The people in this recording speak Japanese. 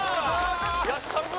・やったるぞ！